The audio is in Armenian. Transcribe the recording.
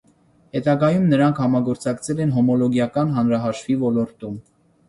Հետագայում նրանք համագործակցել են հոմոլոգիական հանրահաշվի ոլորտում։